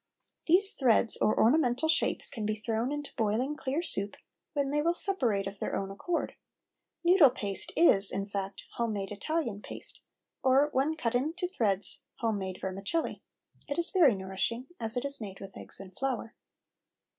These threads or ornamental shapes can be thrown into boiling clear soup, when they will separate of their own accord. Nudel paste is, in fact, home made Italian paste, or, when cut into threads, home made vermicelli. It is very nourishing, as it is made with eggs and flour.